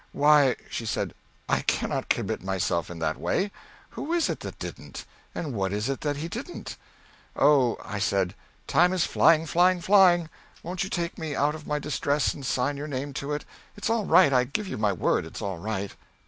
"Why," she said, "I cannot commit myself in that way. Who is it that didn't? and what is it that he didn't?" "Oh," I said, "time is flying, flying, flying. Won't you take me out of my distress and sign your name to it? It's all right. I give you my word it's all right."